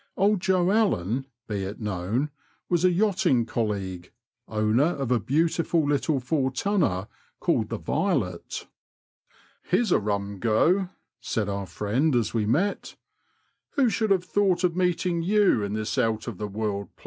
'Old Joe Allen," be it known, was a yachting colleague^ owner of a beautiful little four tonner called the Violet. Here's a rum go !'* said our friend, as we met. Who should have thought of meeting you in this out of the world place